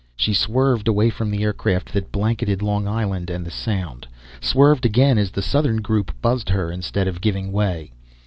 She swerved away from the aircraft that blanketed Long Island and the Sound, swerved again as the southern group buzzed her instead of giving way.